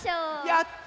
やった！